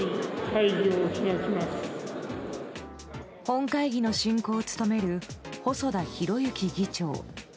本会議の進行を務める細田博之議長。